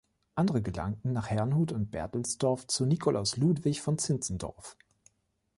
Andere gelangten nach Herrnhut und Berthelsdorf zu Nikolaus Ludwig von Zinzendorf.